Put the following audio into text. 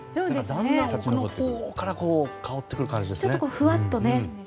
だんだん奥のほうから香ってくる感じですね。